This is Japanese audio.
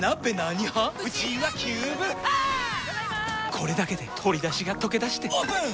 これだけで鶏だしがとけだしてオープン！